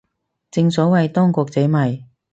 正所謂當局者迷